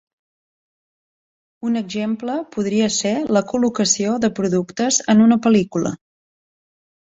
Un exemple podria ser la col·locació de productes en una pel·lícula.